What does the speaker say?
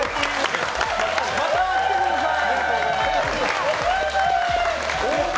また来てください！